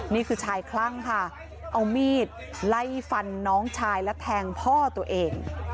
นี่คือชายคลั่งค่ะเอามีดไล่ฟันน้องชายและแทงพ่อตัวเอง